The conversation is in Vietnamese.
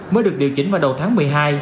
mới được điều chỉnh vào đầu tháng một mươi hai